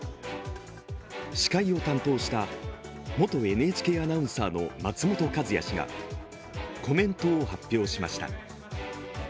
司会を担当した元ＮＨＫアナウンサーの松本和也氏がコメントを発表しました。